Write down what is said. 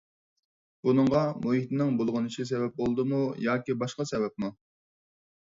بۇنىڭغا مۇھىتنىڭ بۇلغىنىشى سەۋەب بولدىمۇ ياكى باشقا سەۋەبمۇ؟